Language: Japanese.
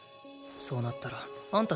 そうなったらあんた死ぬぞ。